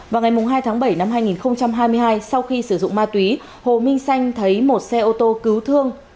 vào ngày hai tháng bảy năm hai nghìn hai mươi hai sau khi sử dụng ma túy hồ minh xanh thấy một xe ô tô cứu thương